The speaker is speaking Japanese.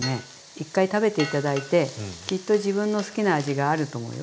一回食べて頂いてきっと自分の好きな味があると思うよ。